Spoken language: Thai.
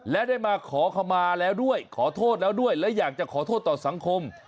และได้มาขอขมาแล้วด้วยขอโทษแล้วด้วยและอยากจะขอโทษต่อสังคม